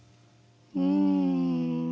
うん。